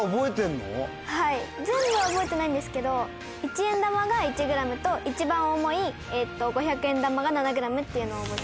全部は覚えてないんですけど１円玉が１ｇと一番重い５００円玉が７ｇっていうのは覚えてます。